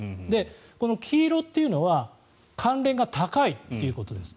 この黄色というのは関連が高いということです。